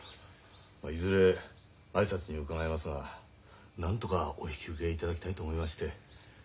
いずれ挨拶に伺いますがなんとかお引き受けいただきたいと思いまして。